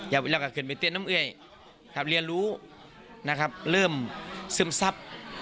เวลาก็ขึ้นไปเต้นน้ำเอ้ยครับเรียนรู้นะครับเริ่มซึมซับ